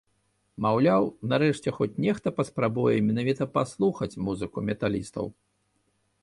Маўляў, нарэшце хоць нехта паспрабуе менавіта паслухаць музыку металістаў.